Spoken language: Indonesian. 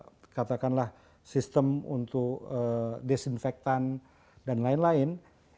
apa yang harus kita lakukan untuk menguruskan sistem untuk desinfektan dan lain lain